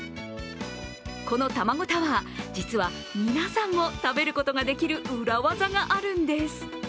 この玉子タワー、実は皆さんも食べることができる裏技があるんです。